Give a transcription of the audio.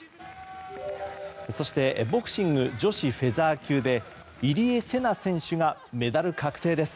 そしてボクシング女子フェザー級で入江聖奈選手がメダル確定です。